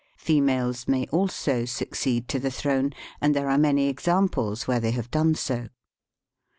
Females may also succeed to the throne, and there are many examples where they have done so.